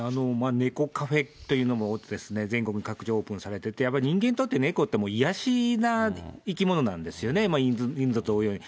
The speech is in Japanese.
猫カフェというのも、全国各地、オープンされてて、やっぱり人間にとって癒やしな生き物なんですよね、同様に。